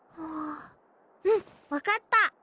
うん分かった！